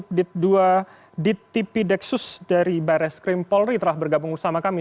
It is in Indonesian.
kapsuk dit dua dit tipi deksus dari baris krim polri telah bergabung bersama kami